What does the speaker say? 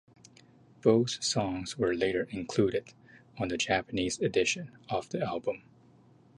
Both songs were later included on the Japanese edition of the album.